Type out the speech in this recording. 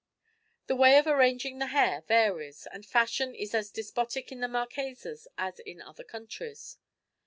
The way of arranging the hair varies, and fashion is as despotic in the Marquesas as in other countries.